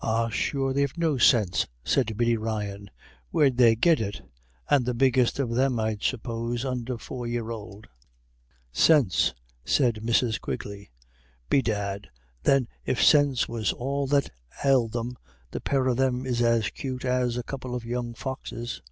"Ah, sure they've no sinse," said Biddy Ryan. "Where'd they git it? And the biggest of them, I'd suppose, under four year ould." "Sinse!" said Mrs. Quigley. "Bedad, then, if sinse was all that ailed them, the pair of them is as 'cute as a couple of young foxes.